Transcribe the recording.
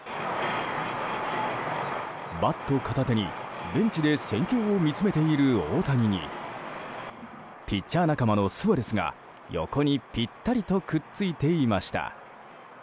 バット片手にベンチで戦況を見つめている大谷にピッチャー仲間のスアレスが横にぴったりとくっついていました。